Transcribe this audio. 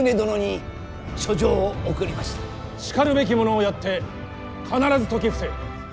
しかるべき者をやって必ず説き伏せよ。